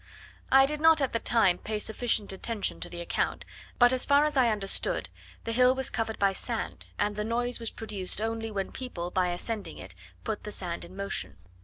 I did not at the time pay sufficient attention to the account; but, as far as I understood, the hill was covered by sand, and the noise was produced only when people, by ascending it, put the sand in motion.